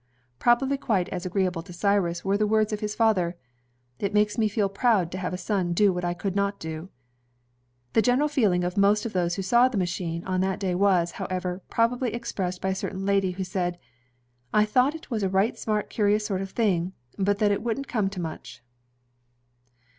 Probably quite as agreeable to Cjniis were the words of his father: "It makes me feel proud, to have a son do what I could not do." The general feeling of most of those who saw the ma chine on that day was, however, probably expressed by a. certain lady, who said, "I thought it was a right smart curious sort of a thing, but that it wouldn't come to much."